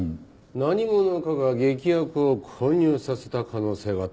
何者かが劇薬を混入させた可能性が高いというわけか。